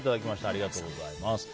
ありがとうございます。